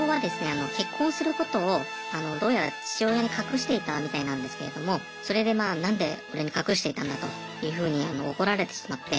あの結婚することをどうやら父親に隠していたみたいなんですけれどもそれでまあ何で俺に隠していたんだというふうに怒られてしまって。